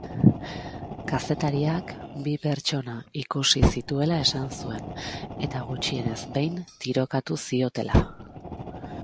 Kazetariak bi pertsona ikusi zituela esan zuen eta gutxienez behin tirokatu ziotela.